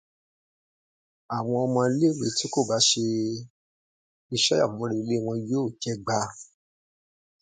Even Spock found the parallel between the two worlds to be "almost too close".